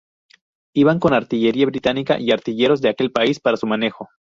Iban con artillería británica y artilleros de aquel país para su manejo.